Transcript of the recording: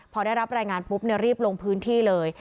พอได้รับรายงานปุ๊บรีบลงพื้นที่เลย